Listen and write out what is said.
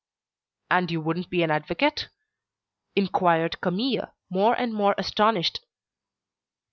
"And you wouldn't be an advocate?" inquired Camille, more and more astonished.